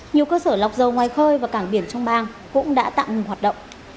nhiều cơ sở lọc dầu ngoài khơi và cảng biển trong bang cũng đã tạm ngừng hoạt động